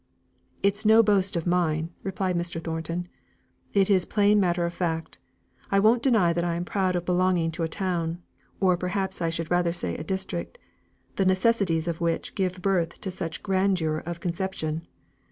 "It is no boast of mine," replied Mr. Thornton; "it is plain matter of fact. I won't deny that I am proud of belonging to a town or perhaps I should rather say a district the necessities of which give birth to such grandeur of conception.